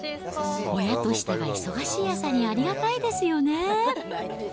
親としては忙しい朝にありがたいですよね。